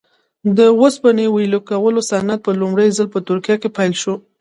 د اوسپنې ویلې کولو صنعت په لومړي ځل په ترکیه کې پیل شو.